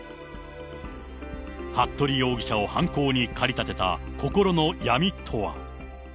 服部容疑者を犯行に駆り立てた心の闇とは。